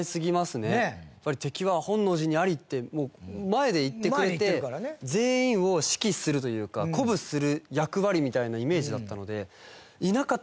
やっぱり「敵は本能寺にあり！」ってもう前で言ってくれて全員を指揮するというか鼓舞する役割みたいなイメージだったので。